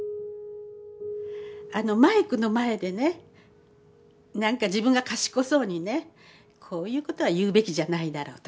マイクの前でね何か自分が賢そうにねこういうことは言うべきじゃないだろうとかね